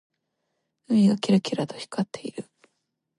海がキラキラと光っている。